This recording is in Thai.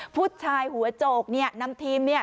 ผู้ชายหัวโจกเนี่ยนำทีมเนี่ย